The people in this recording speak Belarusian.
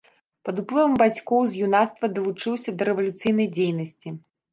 Пад уплывам бацькоў з юнацтва далучыўся да рэвалюцыйнай дзейнасці.